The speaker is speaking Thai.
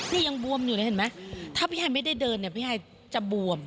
นี่ยังบวมอยู่เลยเห็นไหมถ้าพี่ไฮไม่ได้เดินเนี่ยพี่ไฮจะบวม